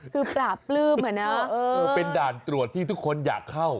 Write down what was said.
คือปราบปลื้มอ่ะเนอะเป็นด่านตรวจที่ทุกคนอยากเข้า